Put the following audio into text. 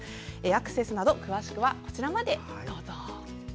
アクセスなど詳しいことはこちらまでどうぞ。